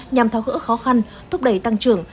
nhằm thao hỡ khó khăn thúc đẩy tăng trưởng